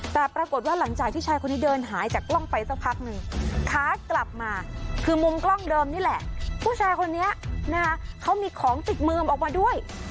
แต่ปรากฏว่าหลังจากที่ชายคนนี้เดินหายจากกล้องไปสักพักหนึ่งค้ากลับมาคือมุมกล้องเดิมนี่แหละผู้ชายคนนี้นะคะเขามีของติดมือออกมาด้วย